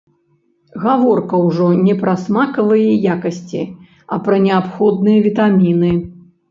Гаворка ўжо не пра смакавыя якасці, а пра неабходныя вітаміны.